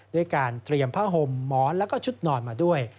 ด้วยการเตรียมผ้าห่มหมอนแล้วก็ชุดนอนมาด้วย